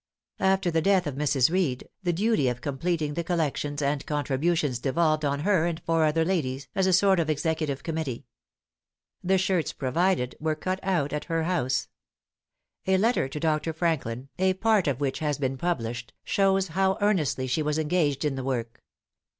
After the death of Mrs. Reed, the duty of completing the collections and contributions devolved on her and four other ladies, as a sort of Executive Committee. The shirts provided were cut out at her house. A letter to Dr. Franklin, a part of which has been published, shows how earnestly she was engaged in the work.